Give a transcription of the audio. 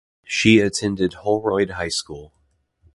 She attended Holroyd High School.